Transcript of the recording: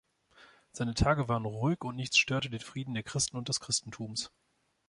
Seine Tage waren ruhig und nichts störte den Frieden der Christen und des Christentums.